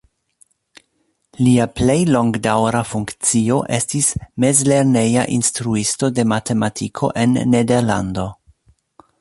Lia plej longdaŭra funkcio estis mezlerneja instruisto de matematiko en Nederlando.